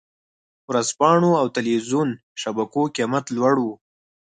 ورځپاڼو او ټلویزیون شبکو قېمت لوړ و.